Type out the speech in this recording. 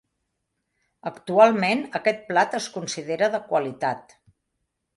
Actualment, aquest plat es considera de qualitat.